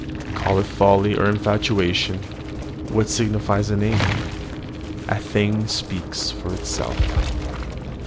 Call it folly or infatuation, what signifies a name? The thing speaks for itself.